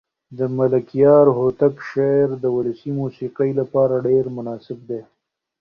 د ملکیار هوتک شعر د ولسي موسیقۍ لپاره ډېر مناسب دی.